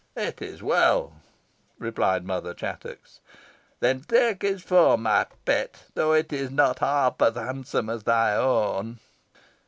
"It is well," replied Mother Chattox. "Then take his form, my pet, though it is not half as handsome as thy own."